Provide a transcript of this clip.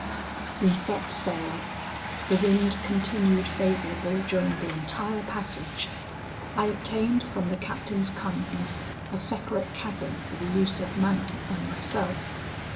"We set sail; the wind continued favourable during the entire passage. I obtained from the captain's kindness a separate cabin for the use of Manon and myself.